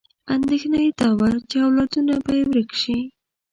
اندېښنه یې دا وه چې اولادونه به یې ورک شي.